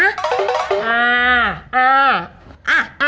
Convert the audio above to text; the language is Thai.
อ่าอ่า